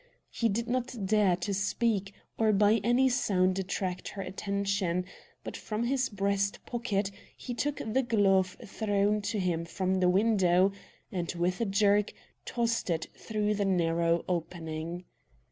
He did not dare to speak, or by any sound attract her attention, but from his breast pocket he took the glove thrown to him from the window, and, with a jerk, tossed it through the narrow opening.